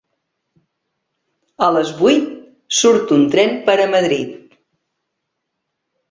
A les vuit surt un tren per a Madrid.